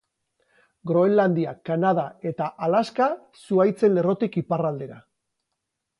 Groenlandia, Kanada eta Alaska, zuhaitzen lerrotik iparraldera.